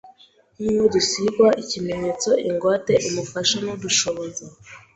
nk'uwo dusigwa, ikimenyetso, ingwate, umufasha n'udushoboza